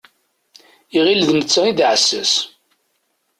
Iɣil d netta i d aɛessas.